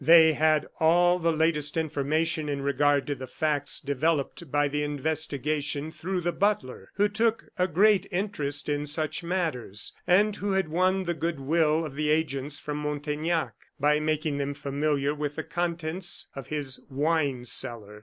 They had all the latest information in regard to the facts developed by the investigation through the butler, who took a great interest in such matters, and who had won the good will of the agents from Montaignac, by making them familiar with the contents of his wine cellar.